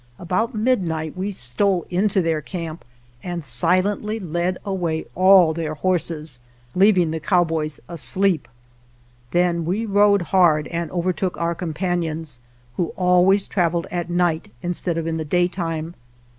About mid night we stole into their camp and silently led away all their horses, leaving the cow boys asleep. Then we rode hard and over took our companions, who always traveled at night instead of in the daytime.